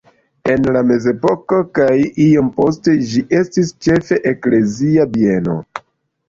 En la mezepoko kaj iom poste ĝi estis ĉefe eklezia bieno.